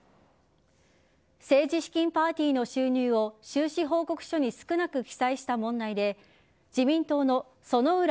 政治資金パーティーの収入を収支報告書に少なく記載した問題で自民党の薗浦